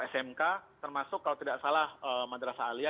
smk termasuk kalau tidak salah madrasa alia